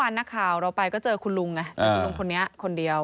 แล้วเมื่อวานนะครับเราไปก็เจอคุณลุงนะกับคุณลุงคนเนี้ยคนเดียว